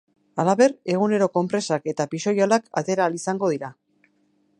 Halaber, egunero konpresak eta pixoihalak atera ahal izango dira.